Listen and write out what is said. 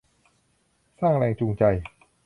สร้างแรงจูงใจ